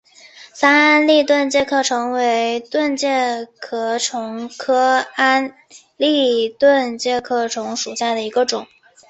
桑安蛎盾介壳虫为盾介壳虫科安蛎盾介壳虫属下的一个种。